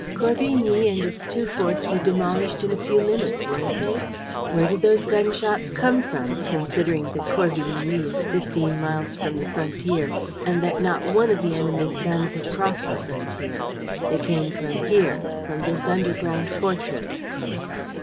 "Corvigny and its two forts were demolished in a few minutes, weren't they? Where did those gunshots come from, considering that Corvigny is fifteen miles from the frontier and that not one of the enemy's guns had crossed the frontier? They came from here, from this underground fortress."